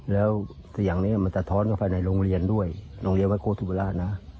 แล้วเสียงนี้มันสะท้อนเข้าไปในโรงเรียนด้วยโรงเรียนวัดโคศิราชนะ